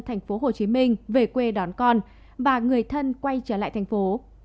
thành phố hồ chí minh về quê đón con và người thân quay trở lại thành phố